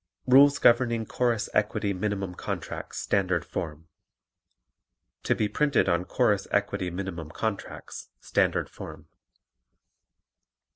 RULES GOVERNING CHORUS EQUITY MINIMUM CONTRACTS STANDARD FORM (To be printed on Chorus Equity Minimum Contracts, Standard Form) 1.